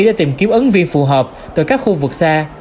để tìm kiếm ấn viên phù hợp từ các khu vực xa